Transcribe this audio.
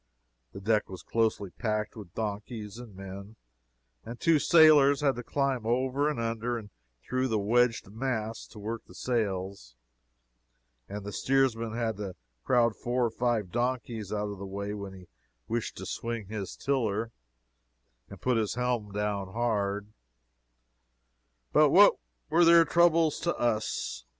The deck was closely packed with donkeys and men; the two sailors had to climb over and under and through the wedged mass to work the sails, and the steersman had to crowd four or five donkeys out of the way when he wished to swing his tiller and put his helm hard down. But what were their troubles to us?